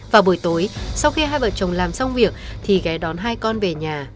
vào buổi tối sau khi hai vợ chồng làm xong việc thì ghé đón hai con về nhà